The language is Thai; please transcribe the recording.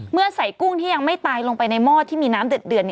เมื่อใส่กุ้งที่ยังไม่ตายลงไปในหม้อที่มีน้ำเดือด